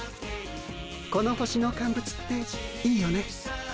この星のカンブツっていいよね。